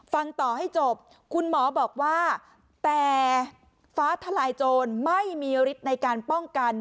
ฟังต่อให้จบคุณหมอบอกว่าแต่ฟ้าทลายโจรไม่มีฤทธิ์ในการป้องกัน